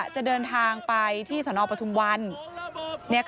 จะเดินทางไปที่สนปทุมวัน